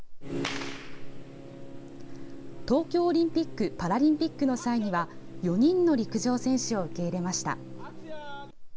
東京オリンピック・パラリンピックの際には４人の陸上選手を受け入れました。